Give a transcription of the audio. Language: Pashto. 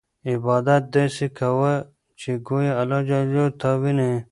عبادت داسې کوه چې ګویا اللهﷻ تا ویني.